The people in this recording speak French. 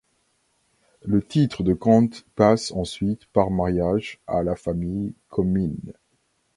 Le titre de comte passe ensuite par mariage à la famille Comyn.